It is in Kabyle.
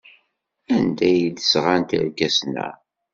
Anda ay d-sɣant irkasen-a?